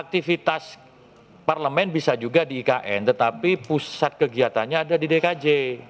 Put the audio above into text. tetapi pusat kegiatannya ada di dkj